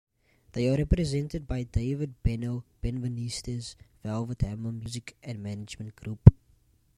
They are represented by David "Beno" Benveniste's Velvet Hammer Music and Management Group.